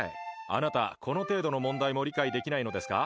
あなた、この程度の問題も理解できないのですか？